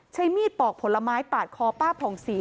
ใช้มีดปอกผลไม้ปาดคอป้าผ่องศรี